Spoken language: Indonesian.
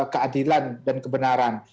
keadilan dan kebenaran